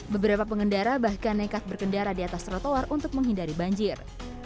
beberapa pengendara bahkan nekat berkendara di atas trotoar untuk menghindari banjir